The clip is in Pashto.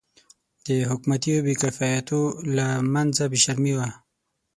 د حکومتي او بې کفایتو له منځه بې شرمي وه.